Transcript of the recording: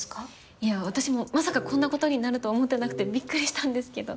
いや私もまさかこんなことになるとは思ってなくてびっくりしたんですけど。